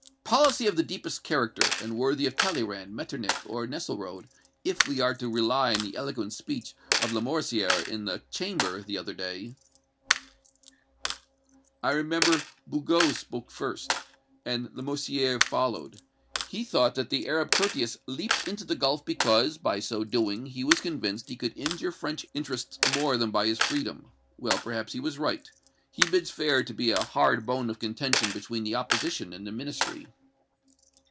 "Policy of the deepest character, and worthy of Talleyrand, Metternich or Nesselrode, if we are to rely on the eloquent speech of Lamoricière in the Chamber, the other day." "I remember. Bugeaud spoke first, and Lamoricière followed. He thought that the Arab Curtius leaped into the gulf because, by so doing, he was convinced he could injure French interests more than by his freedom. Well, perhaps he was right. He bids fair to be a hard bone of contention between the opposition and the Ministry."